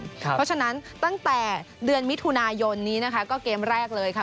เพราะฉะนั้นตั้งแต่เดือนมิถุนายนนี้นะคะก็เกมแรกเลยค่ะ